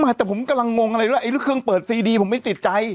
แต่ผมกำลังงงอะไรด้วยเครื่องเปิดซีดีผมไม่ติดใจ